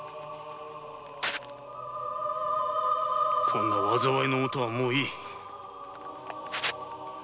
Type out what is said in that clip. こんな災いのもとはもういい。